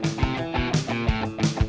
asap dangband efek